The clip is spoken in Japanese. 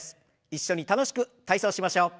一緒に楽しく体操しましょう。